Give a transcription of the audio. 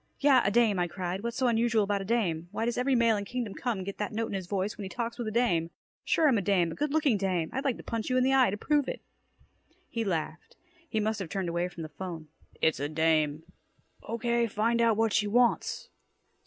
"Yeah, a dame," I cried. "What's so unusual about a dame? Why does every male in Kingdom Come get that note in his voice when he talks with a dame? Sure I'm a dame, a good looking dame! I'd like to punch you in the eye to prove it!" He laughed. He must have turned away from the 'phone. "It's a dame." "Okay, find out what she wants."